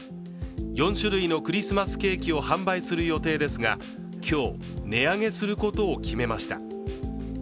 ４種類のクリスマスケーキを販売する予定ですが今日、値上げすることを決めました。